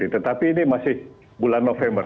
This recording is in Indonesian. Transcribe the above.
tetapi ini masih bulan november